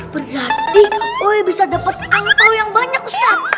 berarti gue bisa dapat angpao yang banyak ustadz